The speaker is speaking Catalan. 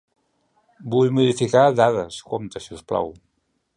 Vull modificar dades compte si us plau.